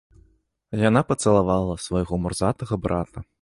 Яна пацалавала свайго мурзатага брата.